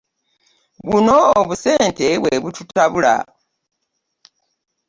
Buno obusente bwe bututabula?